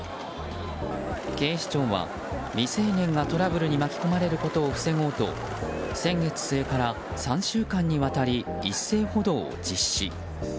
警視庁は、未成年がトラブルに巻き込まれることを防ごうと先月末から３週間にわたり一斉補導を実施。